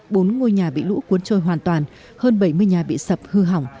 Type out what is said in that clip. bốn ngôi nhà bị lũ cuốn trôi hoàn toàn hơn bảy mươi nhà bị sập hư hỏng